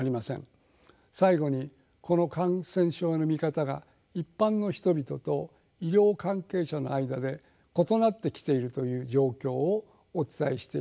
最後にこの感染症の見方が一般の人々と医療関係者の間で異なってきているという状況をお伝えしておきたいと思います。